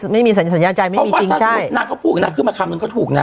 มีแสนยาใจไม่มีจริงนักขึ้นมาคำนึงก็ถูกนะ